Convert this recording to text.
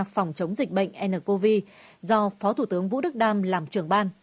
phòng chống dịch bệnh ncov do phó thủ tướng vũ đức đam làm trưởng ban